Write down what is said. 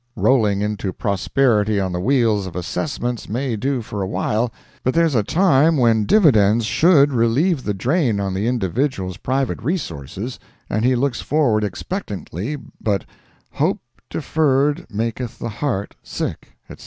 Rolling into prosperity on the wheels of assessments may do for a while, but there's a time when dividends should relieve the drain on the individual's private resources, and he looks forward expectantly, but "hope deferred maketh the heart sick," etc.